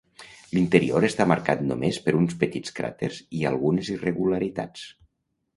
L'interior està marcat només per uns petits cràters i algunes irregularitats.